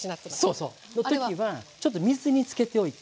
そうそう。の時はちょっと水につけておいて。